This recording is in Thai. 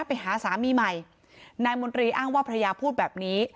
ไปหาสามีใหม่นายมนตรีอ้างว่าภรรยาพูดแบบนี้